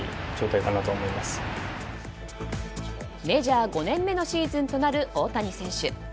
メジャー５年目のシーズンとなる大谷選手。